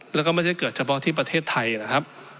แล้วก็ไม่ได้เกิดเฉพาะที่ประเทศไทยนะครับ